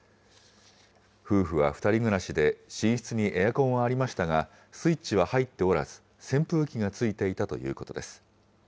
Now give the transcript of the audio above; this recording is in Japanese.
夫婦は２人暮らしで、寝室にエアコンはありましたが、スイッチは入っておらず、扇風機がついていたということです。